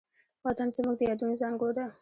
وطن زموږ د یادونو زانګو ده.